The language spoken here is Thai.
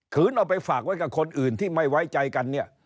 เอาไปฝากไว้กับคนอื่นที่ไม่ไว้ใจกันเนี่ย